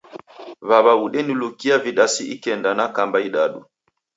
W'aw'a udenilukia vidasi ikenda na kamba idadu.